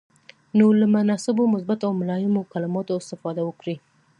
نو له مناسبو، مثبتو او ملایمو کلماتو استفاده وکړئ.